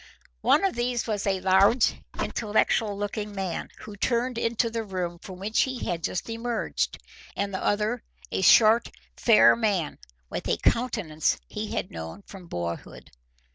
One of these was a large, intellectual looking man, who turned into the room from which he had just emerged, and the other a short, fair man, with a countenance he had known from boyhood.